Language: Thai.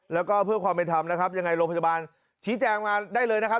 แล้วก็เพื่อความเป็นธรรมนะครับยังไงโรงพยาบาลชี้แจงมาได้เลยนะครับ